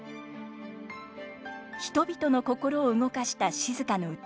人々の心を動かした静の歌。